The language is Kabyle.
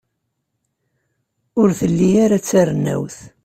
Ur telli ara d tarennawt.